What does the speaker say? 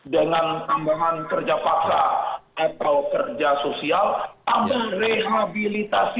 dengan tambahan kerja paksa atau kerja sosial tambah rehabilitasi